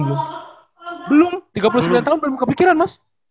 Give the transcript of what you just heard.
belum tiga puluh sembilan tahun belum kepikiran mas